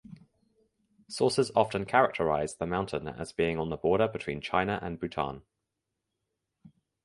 Sources often characterize the mountain as being on the border between China and Bhutan.